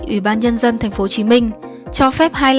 ủy ban nhân dân tp hcm cho phép